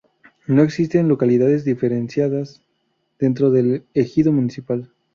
No existen localidades diferenciadas dentro del ejido municipal.